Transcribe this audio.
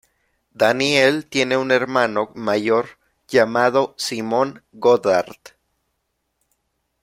Daniel tiene un hermano mayor llamado Simon Goddard.